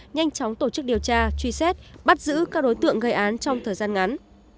nhanh chóng tổ chức điều tra truy xét bắt giữ các đối tượng gây án trong thời gian ngắn